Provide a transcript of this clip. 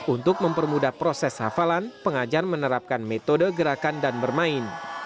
untuk mempermudah proses hafalan pengajar menerapkan metode gerakan dan bermain